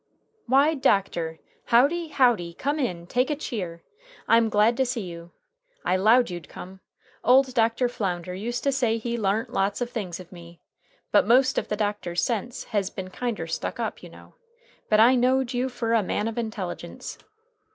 "Why, doctor, howdy, howdy! Come in, take a cheer. I am glad to see you. I 'lowed you'd come. Old Dr. Flounder used to say he larnt lots o' things of me. But most of the doctors sence hez been kinder stuck up, you know. But I know'd you fer a man of intelligence."